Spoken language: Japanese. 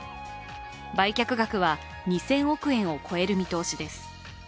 売却額は２０００億円を超える見通しです。